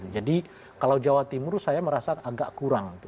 kalau jawa timur saya merasa agak kurang